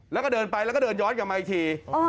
แล้วก็เดินไปแล้วก็เดินย้อนกลับมาอีกที